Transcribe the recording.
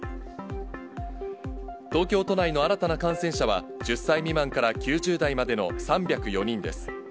東京都内の新たな感染者は、１０歳未満から９０代までの３０４人です。